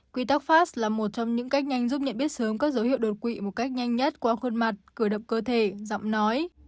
quy tắc fass là một trong những cách nhanh giúp nhận biết sớm các dấu hiệu đột quỵ một cách nhanh nhất qua khuôn mặt cửa độc cơ thể giọng nói